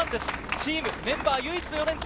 チームメンバー、唯一の４年生。